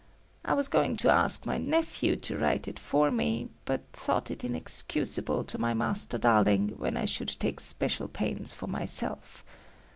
I was going to ask my nephew to write it for me, but thought it inexcusable to my Master Darling when I should take special pains for myself.